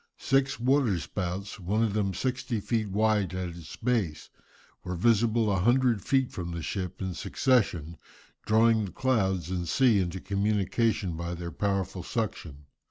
Six water spouts, one of them sixty feet wide at its base, were visible a hundred feet from the ship in succession, drawing the clouds and sea into communication by their powerful suction.